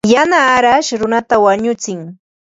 Yana arash runata wañutsin.